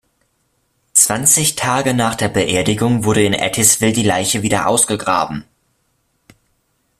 Zwanzig Tage nach der Beerdigung wurde in Ettiswil die Leiche wieder ausgegraben.